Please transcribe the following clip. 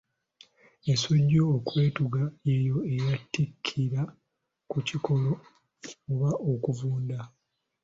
Ensujju okwetuga, y'eyo eyatikkira ku kikolo oba okuvunda.